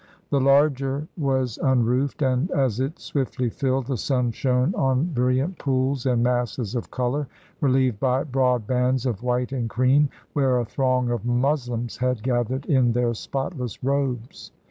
The larger was imroofed, and as it swiftly filled, the sun shone on bril 248 THE CORONATION DURBAR OF 1911 liant pools and masses of color, relieved by broad bands of white and cream, where a throng of Moslems had gathered in their spotless robes.